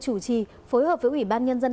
chủ trì phối hợp với ủy ban nhân dân